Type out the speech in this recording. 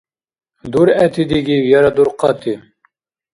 Дургӏети дигив яра дурхъати?